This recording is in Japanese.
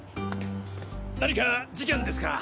何か事件ですか？